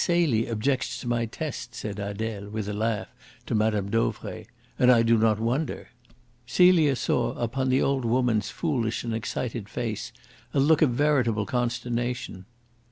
Celie objects to my tests," said Adele, with a laugh, to Mme. Dauvray. "And I do not wonder." Celia saw upon the old woman's foolish and excited face a look of veritable consternation.